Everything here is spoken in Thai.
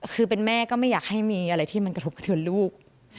คือเป็นแม่ก็ไม่อยากให้มีอะไรที่มันกระทบกระเทือนลูก